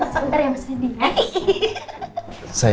sebentar ya mas randy